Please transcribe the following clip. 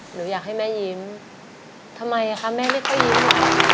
หนูอยากให้แม่ยิ้มทำไมคะแม่ไม่ค่อยยิ้ม